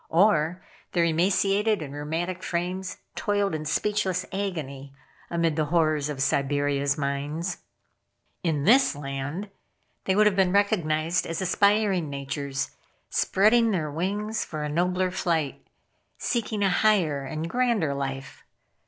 Or their emaciated and rheumatic frames toiled in speechless agony amid the horrors of Siberia's mines. In this land they would have been recognized as aspiring natures, spreading their wings for a nobler flight, seeking a higher and grander life.